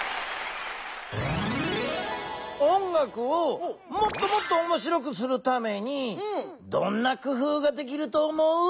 音楽をもっともっとおもしろくするためにどんな工夫ができると思う？